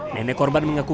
nenek korban mengaku